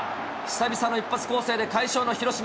久々の一発攻勢で快勝の広島。